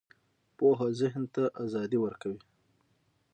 پوهه ذهن ته ازادي ورکوي